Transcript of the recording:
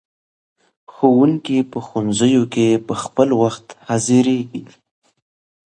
ښوونکي په ښوونځیو کې په خپل وخت حاضریږي.